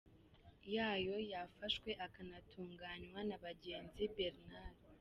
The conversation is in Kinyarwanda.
yayo yafashwe akanatunganywa na Bagenzi Bernard.